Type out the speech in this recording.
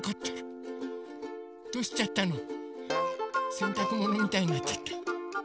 せんたくものみたいになっちゃった。